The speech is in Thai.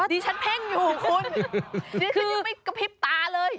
ดิฉันเพ่งอยู่คุณดิฉันไม่กระพริบตาเลย